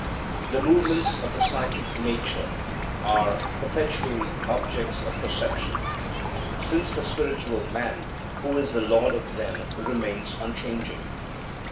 The movements of the psychic nature are perpetually objects of perception, since the Spiritual Man, who is the lord of them, remains unchanging.